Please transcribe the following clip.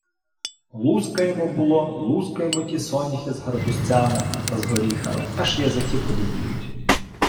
Лускаємо було, лускаємо ті соняхи з гарбузцями та з горіхами, аж язики подубіють.